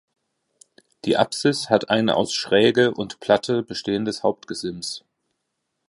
Die Apsis hat ein aus Schräge und Platte bestehendes Hauptgesims.